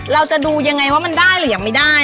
เราจะดูยังไงว่ามันได้หรือยังไม่ได้